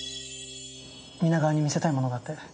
皆川に見せたいものがあって。